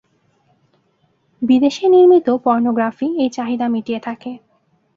বিদেশে নির্মিত পর্নোগ্রাফি এই চাহিদা মিটিয়ে থাকে।